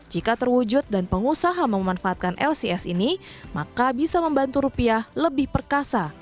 jika terwujud dan pengusaha memanfaatkan lcs ini maka bisa membantu rupiah lebih perkasa